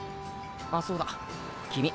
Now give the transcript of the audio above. あそうだ君